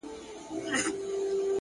هره شېبه د نوې پرېکړې وخت دی.!